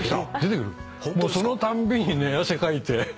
そのたんびにね汗かいて。